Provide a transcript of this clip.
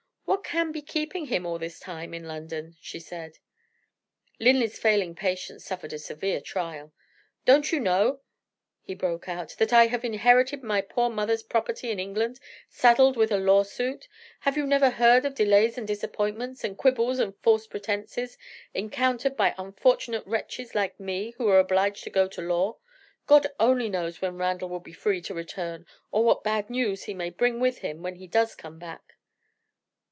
"What can be keeping him all this time in London?" she said. Linley's failing patience suffered a severe trial. "Don't you know," he broke out, "that I have inherited my poor mother's property in England, saddled with a lawsuit? Have you never heard of delays and disappointments, and quibbles and false pretenses, encountered by unfortunate wretches like me who are obliged to go to law? God only knows when Randal will be free to return, or what bad news he may bring with him when he does come back."